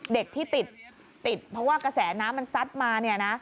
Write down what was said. เด็กที่ติดเพราะว่ากระแสน้ำมันซัดมาเนี่ยนะ